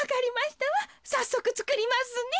さっそくつくりますね。